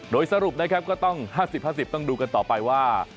โดยสรุปนะครับก็ต้อง๕๐๕๐ต้องดูกันต่อไปว่า